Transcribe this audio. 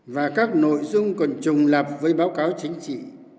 và các nội dung còn trùng lập với báo cáo chính trị